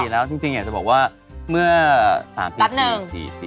๓ปีแล้วอยากจะบอกว่าเมื่อ๓ปี๔ปี